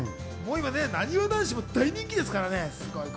なにわ男子も大人気ですからね。